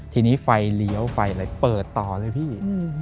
ทีนี้ไฟเลี้ยวไฟอะไรเปิดต่อเลยพี่